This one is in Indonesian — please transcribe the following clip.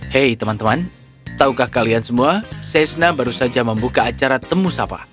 hei teman teman taukah kalian semua shashna baru saja membuka acara temusapa